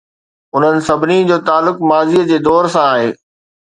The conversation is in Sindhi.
انهن سڀني جو تعلق ماضيءَ جي دور سان آهي.